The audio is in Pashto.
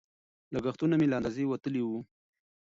لګښتونه مې له اندازې وتلي وو.